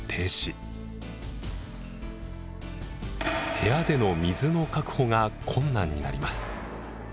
部屋での水の確保が困難になります。